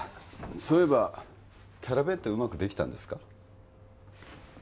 そういえばキャラ弁ってうまくできたんですか？